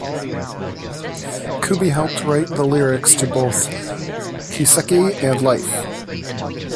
Kumi helped write the lyrics to both "Kiseki" and "life.